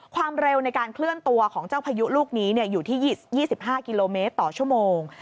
ความเร็วในการเคลื่อนตัวของเจ้าพายุลูกนี้อยู่ที่๒๕กิโลเมตรต่อชั่วโมง